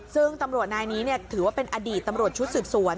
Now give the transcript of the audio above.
ซึ่งตำรวจนายนี้ถือว่าเป็นอดีตตำรวจชุดสืบสวน